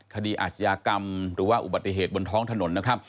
อาชญากรรมหรือว่าอุบัติเหตุบนท้องถนนนะครับ